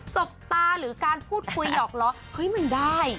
บตาหรือการพูดคุยหยอกล้อเฮ้ยมันได้